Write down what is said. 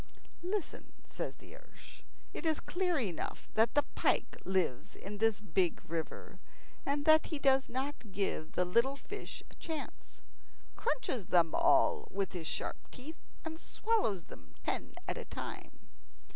"Listen," says the ersh. "It is clear enough that the pike lives in this big river, and that he does not give the little fish a chance, crunches them all with his sharp teeth, and swallows them ten at a time.